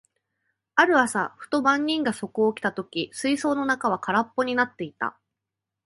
ある朝、ふと番人がそこに来た時、水槽の中は空っぽになっていた。